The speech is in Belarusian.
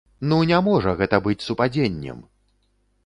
Ну, не можа гэта быць супадзеннем!